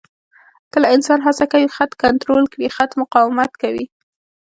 کله انسان هڅه کوي خط کنټرول کړي، خط مقاومت کوي.